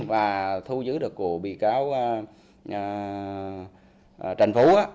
và thu giữ được của bị cáo trần phú